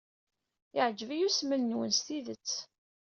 Yeɛjeb-iyi usmel-nwen s tidet.